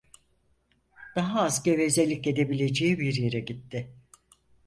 Daha az gevezelik edebileceği bir yere gitti.